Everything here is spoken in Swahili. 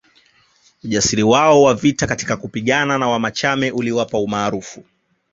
Ujasiri wao wa vita katika kupigana na Wamachame uliwapa umaarufu